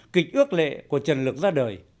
kịch ước lệ của trần lực ra đời